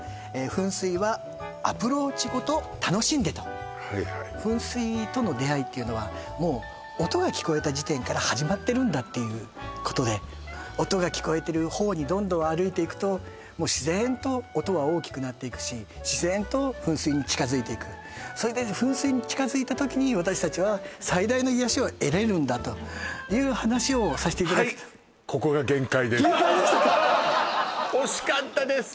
「噴水はアプローチごと楽しんで！」と噴水との出会いっていうのはもう音が聞こえた時点から始まってるんだっていうことで音が聞こえてる方にどんどん歩いていくともう自然と音は大きくなっていくし自然と噴水に近づいていくそれで噴水に近づいた時に私達は最大の癒やしを得れるんだという話をさせて限界でしたか惜しかったです